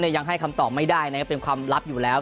ยังให้คำตอบไม่ได้นะครับเป็นความลับอยู่แล้ว